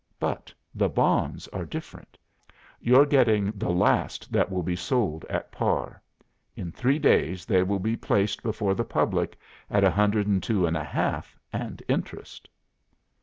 But the bonds are different. You're getting the last that will be sold at par. In three days they will be placed before the public at 102 1/2 and interest.